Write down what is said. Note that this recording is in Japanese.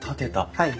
はい。